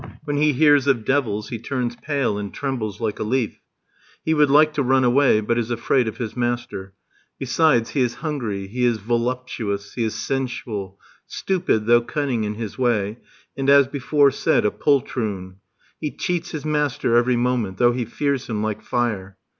When he hears of devils he turns pale and trembles like a leaf; he would like to run away, but is afraid of his master; besides, he is hungry, he is voluptuous, he is sensual, stupid, though cunning in his way, and, as before said, a poltroon; he cheats his master every moment, though he fears him like fire.